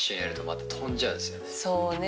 そうね